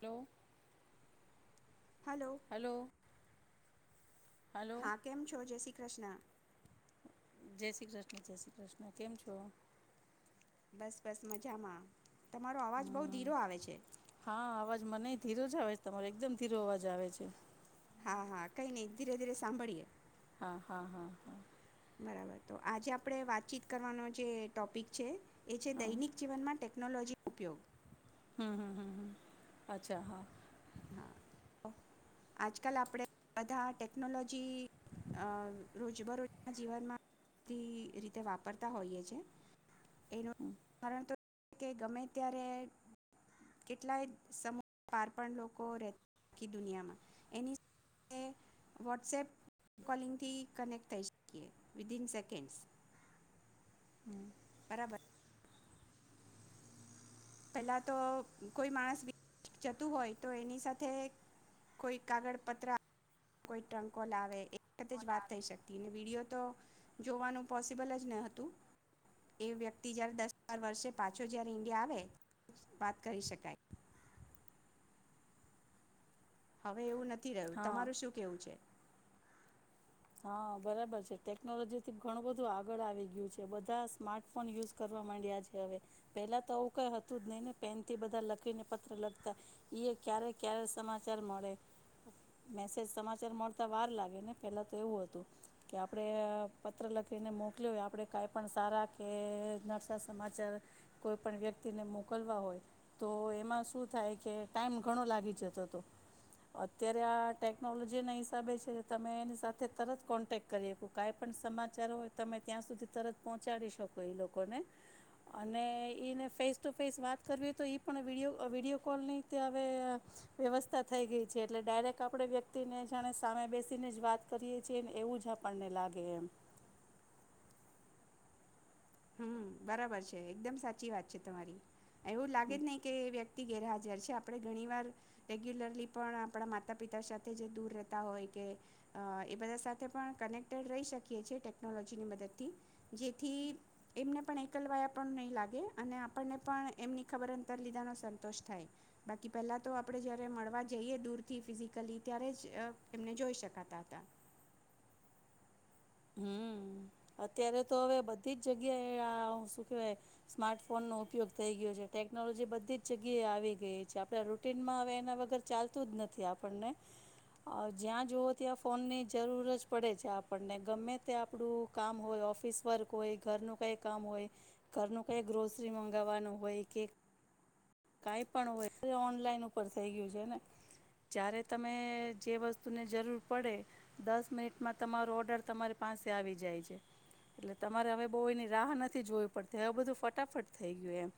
Hello. Hello. Hello. Hello હા કેમ છો? જે શ્રી કૃષ્ણ. જય શ્રી કૃષ્ણ જય શ્રી કૃષ્ણ કેમ છો? બસ બસ મજામાં. તમારો અવાજ બઉ ધીરો આવે છે. નહી ધીરો જ આવે છે તમારો એકદમ ધીરો અવાજ આવે છે. હા હા કઈ નઈ ધીરે ધીરે સાંભળીએ. હા હા હા હા. બરાબર તો આજે આપણે વાતચીત કરવાનો જે ટોપિક છે. એ છે હા દૈનિક જીવન માટે ટેક્નોલોજી ઉપયોગ હમ હમ હમ હ, અચ્છા હા. હા તો આજકાલ આપણે બધા ટેકનોલોજી રોજબરોજના જીવનમાંથી રીતે વાપરતા હોઈએ છે. એનું [unintelligible] ધારણ કે ગમે ત્યારે, કેટલાય સમૂહ પારપ લોકો લોકો રહે આખી દુનિયામાં, એની સાથે વોટ્સએપ કોલિંગથી કનેક્ટ થઈ શકીએ, વિદન સેકન્ડ્સ હમ. બરાબર. પેલા તો કોઈ માણસ જતું હોય તો એની સાથે કોઈ કાગળ પત્ર કોઈ ટ્રંકો લાવે એ વખતે જ વાત થઈ શકતી અને વિડીયો તો, જોવાનું પોસિબલ જ ન હતું, એ વ્યક્તિ જય્યારે દસ બાર વર્ષે પાછો જય્યારે ઈન્ડિયા, આવે વાત કરી શકાય. હવે એવું નથી રહ્યું, હા તમારું શું કેવું છે? હા બરાબર છે ટેકનોલોજી થી ઘણું બધું આગળ આવી ગયું છે બધા સ્માર્ટફોન યુઝ કરવા માંડ્યા છે હવે, પેલા તો આવું કઈ હતું જ નઈિ ને પેન થી બધા લખીને પત્ર લખતા, ક્યારે ક્યારે સમાચાર મળે, મેસેજ સમાચાર મળતા વાર લાગે ને પેલા એવું હતું, કે આપણે અહ પત્ર લખીને મોકલ્યો હોય આપણે કાંઈ પણ સારા કે નરસા સમાચાર, કોઈ પણ વ્યક્તિને મોકલવા હોય, તો એમાં શું થાય કે ટાઈમ ઘણો લાગી જતો તો. અત્યારે આ ટેકનોલોજીના હિસાબે છે તમે એની સાથ થે તરત કોન્ટેક કરી આઇપુ કાંઈ પણ સમાચાર હોય તમે ત્યાં સુધી તરત પહોંચાડી શકો એ લોકોને, અને એને ફેસ ટુ ફેસ વાત કરવી હોય તો એ પણ વિડીયો આહ વિડીયો કોલની તે હવે, વ્યવસ્થા થઈ ગઈ છે એટલે ડાયરેક્ટ આપણે વ્યક્તિને જાણે સામે બેસીને જ વાત કરીએ છીએને એવું જ આપણને લાગે એમ. હમ્મ બરાબર છે, એકદમ સાચી વાત છે તમારી. એવું લાગે જ નહિ કે વ્ય તી ગેરહાજર છે આપણે ઘણી વાર, રેગ્યુલરલી પણ આપણા માતા પિતા સાથે જે દૂર રહેતા હોય કે, અહ એ બધા સાથે પણ કનેક્ટેડ રહી શકીએ છીએ ટેકનોલોજીની મદદથી, જેથી એમને પણ એકલવાયા પણ નહી લાગે અને આપણને પણ એમની ખબર અંતર લીધાનો સંતોષ થાય, બાકી પેલા તો આપણે જયારે મળવા જઈએ દૂરથી ફિઝિકલી ત્યારે જ એમને જોઈ શકાતા હતા. હમ્મ પીઅત્યારે તો હવે બધી જ જગ્યાએ આ શું કેવાય, સ્માર્ટ ફોન નો ઉપયોગ થઈ ગયો છે. ટેકનોલોજી બધી જ જગ્યાએ આવી ગઈ છે. આપ રૂટીનમાં હવે એના વગર ચાલતું જ નથી આપણને. જ્યાં જુવો ત્યાં ફોન ની જરૂર જ પડે છે આપણને ગમે તે આપણું કામ હોય ઓફિસ વર્ક હોય ઘરનું કઈ કામ હોય, ઘરનું કઈ ગ્રોસરી મગાવવાનું હોય કે કાંઈ પણ હોય ઓનલાઈન ઉપર થઈ ગયું છે ને, જ્યારે તમે જે વસ્તુને જરૂર પડે, દસ મિનિટમાં તમારો ઓર્ડર તમારી પાસે આવી જાય છે. એટલે તમારે હવે બહુ એની રાહ નથી જોવી પડતી હવે બધું ફટાફટ થઈ ગયું એમ.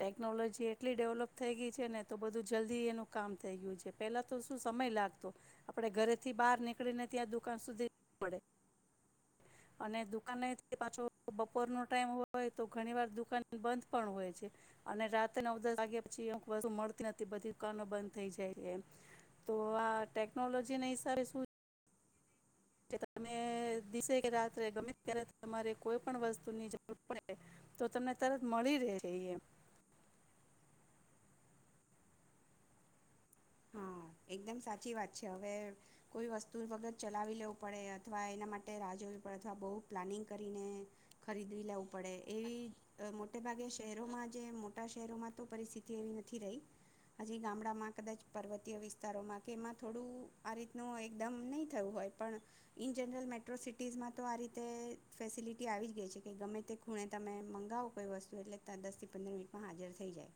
ટેકનોલોજી એટલી ડેવલોપ થઈ ગઈ છે ને તો બધું જલ્દી એનું કામ થઈ ગયું છે. પેલા તો શું સમય લાગતો, આપણે ઘરેથી બહાર નીકળીને ત્યાં દુકાન સુધી પડે અને દુકાનને પાછો બપોરનો ટાઈમ હોય તો ઘણી વાર દુકાન બંધ પણ હોય છે, અને રાત્ર નવ દસ વાગ્યા પછી વતુ મળતી નથી બધી દુકાનો બંધ થઈ જાય છે એમ, તો આ ટેકનોલોજી ના હિસાબે શું છે તમે દસે કે રાત્રે ગમે ત્યારે તમારે કોઈ પણ વસ્તુની જરૂર પડે તો, તમને તરત મળી રહે એમ. હા, એકદમ સાચી વાત છે હવે, કોઈ વસ્તુ વગર ચલાવી લેવું પડે અથવા એના માટે રાહ જોવી પડે અથવા બહ પ્લાનિંગ કરીને, ખરીદવી લેવું પડે એવી મોટે ભાગે શહેરોમાં જે મોટા શહેરોમાં તો પરિસ્થિતિ એવી નથી રહી, હજી ગામડામાં કદાચ પર્વતીય વિસ્તારોમાં કે એમાં થોડું આ રીતનું એકદમ નહી થયું હોય પણ, ઈન જનરલ મેટ્રો સિટીઝમાં તો આ રીતે ફેસિલિટી આવી જ ગઈ છે કે ગમે તે ખૂણે તમે મંગાવો કોઈ વસ્તુ એટલે દસ થી પંદર મિનિટમાં હાજર થઈ જાય.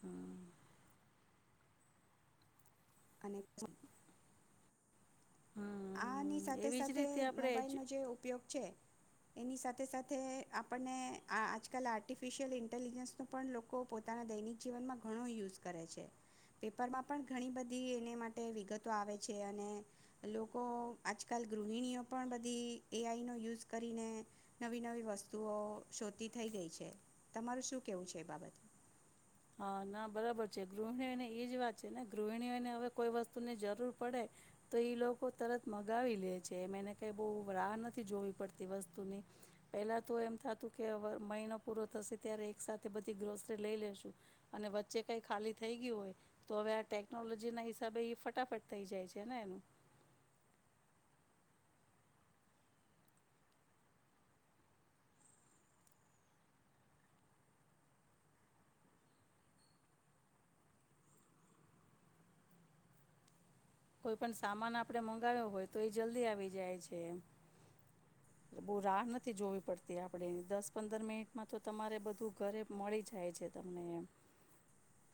હા. અને ચ આની હમ સાથે એવી જ સાથે રીતે આપણે એજ્યુ મોબાઈલ નો જે ઉપયોગ છે એની સાથે સાથે આપણને આ આજકાલ આર્ટિફિશિયલ ઇન્ટેલિજન્સનો પણ લોકો પોતાના દૈનિક જીવનમાં ઘણો યુઝ કરે છે. પેપરમાં પણ ઘણી બધી એને માટે વિગતો આવે છે, અને લોક કો આજકાલ ગૃહિણીઓ પણ બધી એ આઈ નો યુઝ કરીને નવી નવી વસ્તુઓ શોતી થઈ ગઈ છે. તમારું શું કેવું છે એ બાબતે? હા ના બરાબર છે. ગૃહિણીઓને એજ વાત છે ને, ગૃહિણીઓને હવે કોઈ વસ્તુ ની જરૂર પડે તો ઈ લોકો તરત મગાવી લે છે. એમ એને કઈ બહુ રાહ નથી જોવી પડતી વસ્તુની. પેલા તો એમ થતું કે અવર મહિનો પૂરો થશે ત્યારે એક સાથે બધી ગ્રોસરી લઈ લેશું. અને વચ્ચે કઈ ખાલી થઈ ગયું હોય તો હવે આ ટેકનોલોજી ના હિસાબે એ ફટાફટ થઈ જાય છે ને એનું. કોઈ પણ સામાન આપડે મંગાવ્યો હોય તો એ જલ્દી આવી જાય છે, બહુ રાહ નથી જોવી પડતી આપણે દસ પંદર મિનિટમાં તો તમારે બધું ઘરે મળી જાય છે તમને એમ.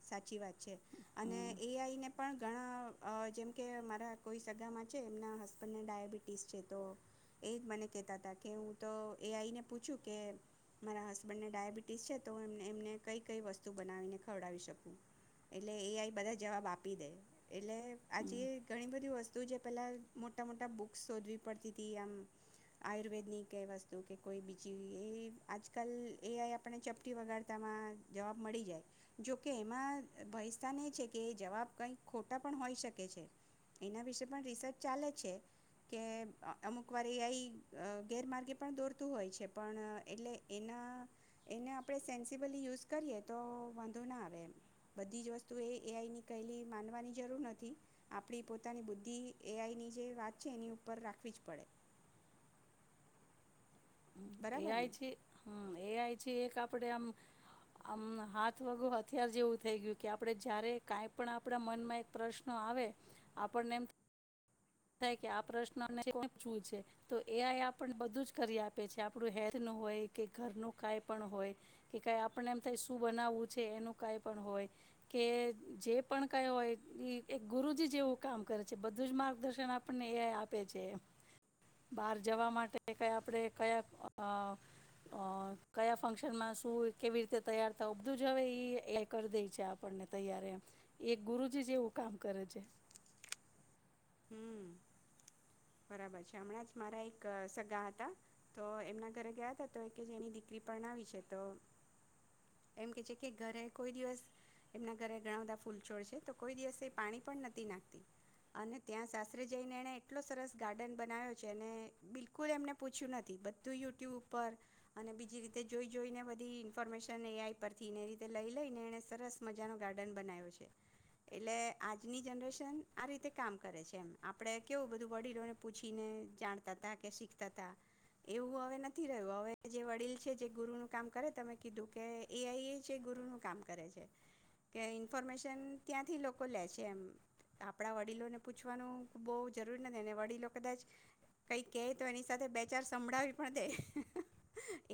સાચી વાત છે, અને હમ એઆઈ ને પણ ઘણા જેમ કે મારા કોઈ સગામાં છે એમના હસબન્ડને ડાયાબિટીસ છે, તો એ જ મને કહેતા હતા કે, હું તો એ આઈને પૂછું કે મારા હસબન્ડને ડાયાબિટીસ છે તો એમને એમને કઈ કઈ વસ્તુ બનાવીને ખવડાવી શકું? એટલે એ આઈ બધા જવાબ આપી દે એટલે આજે હમ ઘણી બધી વસ્તુ જે પેલા મોટા મોટા બુક્સ શોધવી પડતી હતી, આમ આયુર્વેદ ની ક વસ્તુ કે કોઈ બીજી એ આજકાલ એ આઈ આપણે ચપટી વગાડતામાં જવાબ મળી જાય. જો કે એમાં ભયસ્થાન એ છે કે જવાબ કંઈક ખોટા પણ હોઈ શકે છે એના વિશે પણ રિસર્ચ ચાલે જ છે કે, અમુક વાર એ ગેરમાર્ગે પણ દોરતું હોય છે પણ એટલે એના એને આપણે સેન્સબલી યુઝ કરીએ તો વાંધો ના આવે. બધી જ વસ્તુ એ એ આઈની કલી માનવાની જરૂર નથી, આપડી પોતાની બુદ્ધિ એ આઈ ની જે વાત છે એની ઉપર રાખવી જ પડે. બરાબર એઆઇ ને છે હમ્મ. એ આ એક આપણે આમ આમ હાથ વગું હથિયાર જેવું થઈ ગયું કે આપડે જયારે કાઈ પણ આપડા મનમાં એક પ્રશ્ન આવે આપણને એમ થ આ પ્રશ્નછું છે તો એ આપને બધું જ કરી આપે છે આપડું હેલ્થ નું હોય કે ઘરનું કઈ પણ હોય કે ક આપણે એમ થાય શું બનાવવું છે એનું કઈ પણ હોય કે જે પણ કઈ હોય એક ગુરુજી જેવું કામ કરે છે બધું જ મા ગદર્શન આપણને એ આપે છે બહાર જવા માટે ક આપણે કયા કયા ફંક્શનમાં શું કેવી રીતે તૈયાર થ અધું જ હવે એ કરી દે છે આપણને તૈયાર એક ગુરુજી જેવું કામ કરે છે. હમ બરાબર છે. હમણાં જ મારા એક સગા હતા તો એમના ઘરે ગયા ત તો કે જેની દીકરી પણ આવી છે તો એમ કે છે કે ઘરે કોઈ દિવસ એમના ઘરે ઘણા બધા ફૂલછોડ છે તો કોઈ દિવસે પાણી પણ નથી નાખતી અને ત્યાં સાસરે જઈને એને એટલો સરસ ગાર્ડન બનાવ્યો છે અનેને બિલકુલ એમને પૂછ્યું નથી બધું યુટ્યુબ ઉપર અને બીજી રીતે જોઈ જોઈને બધી ઇન્ફોર્મેશન એ આઈ પરથીને એ રીતે લઈ લઈને એને સરસ મજાનો ગાર્ડન બનાવ્યો છે એટલે આજની જનરેશન આ રીતે કામ કરે છે એમ આપણે કેવું બધું વડીલોને પૂછીને જાણતા ત કે શીખતા ત એવું હવે નથી રહ્યું હવે જે વડીલ છે જે ગુરુ નું કામ કરે તમે કીધું કે એઆઈ એ છે ગુરુનું કામ કરે છે કે ઇન્ફોર્મેશન ત્યાંથી લોકો લે છે એમ આપણા વડીલોને પૂછવાનું બહ જરૂર નથી વડીલો કદાચ કઈ ક તો એની સાથે બેચાર સંભળાવી પણ દે